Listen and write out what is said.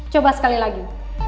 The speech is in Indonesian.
coba sekali lagi